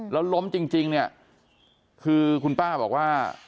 แล้วล้มจริงเนี่ยคือคุณป้าบอกว่า